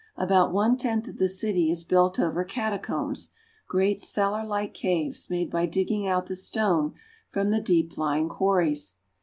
About one tenth of the city is built over catacombs, great cellar like caves made by digging out the stone from the deep lying quarries.